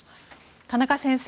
田中先生